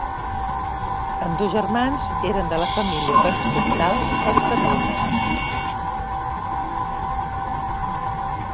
Ambdós germans eren de la família vescomtal dels Cardona.